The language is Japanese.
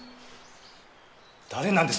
誰なんです？